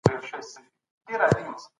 د حج دپاره تاسي باید خپلي پوهني ته پام وکړئ.